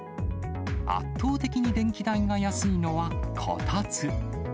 圧倒的に電気代が安いのはこたつ。